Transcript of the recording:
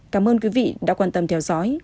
cảm ơn quý vị đã quan tâm theo dõi